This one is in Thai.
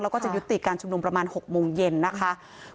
แล้วก็จะยุติการชุมนุมประมาณ๖โมงเย็นนะคะ